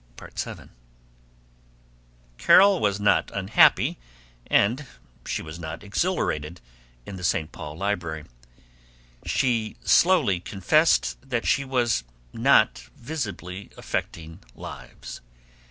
VII Carol was not unhappy and she was not exhilarated, in the St. Paul Library. She slowly confessed that she was not visibly affecting lives.